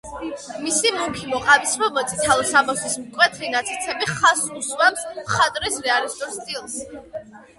მისი მუქი, მოყავისფრო-მოწითალო სამოსის მკვეთრი ნაკეცები ხაზს უსვამს მხატვრის რეალისტურ სტილს.